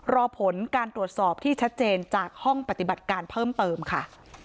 รอผลการตรวจสอบที่ชัดเจนจากห้องปฏิบัติการเพิ่มเติมค่ะ